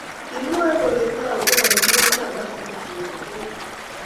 Kimwoe kole toukei imbiret ab baseball kolekit